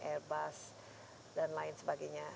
airbus dan lain sebagainya